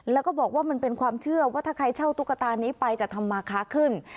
แล้วก็บอกว่ามันเป็นความเชื่อว่าถ้าใครเช่าตุ๊กตานี้ไปจะทำมาค้าขึ้น